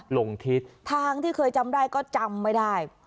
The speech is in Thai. ลงทิศทางที่เคยจำได้ก็จำไม่ได้